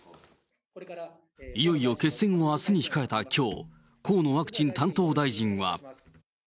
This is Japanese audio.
いよいよ決選をあすに控えたきょう、河野ワクチン担当大臣は。